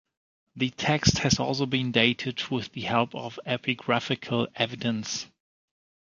The text has also been dated with the help of epigraphical evidence.